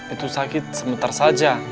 itu sakit sebentar saja